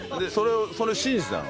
それを信じてたの？